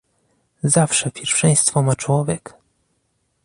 zawsze pierwszeństwo ma człowiek